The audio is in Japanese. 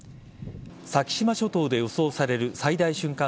先島諸島で予想される最大瞬間